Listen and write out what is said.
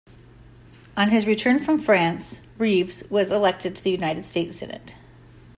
On his return from France, Rives was elected to the United States Senate.